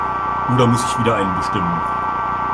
Oder muss ich wieder einen bestimmen?